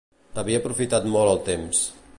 Havia aprofitat molt el temps.